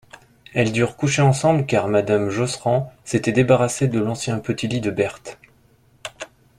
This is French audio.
Elles durent coucher ensemble, car madame Josserand s'était débarrassée de l'ancien petit lit de Berthe.